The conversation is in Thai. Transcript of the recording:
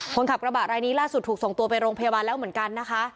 คนขับกระบะรายนี้ล่าสุดถูกส่งตัวไปโรงพยาบาลแล้วเหมือนกันนะคะ